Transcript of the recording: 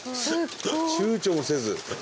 ちゅうちょもせず。